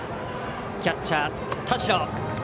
キャッチャー、田代。